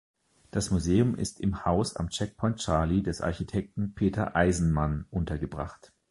Das Museum ist im Haus am Checkpoint Charlie des Architekten Peter Eisenman untergebracht.